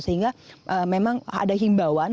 sehingga memang ada himbauan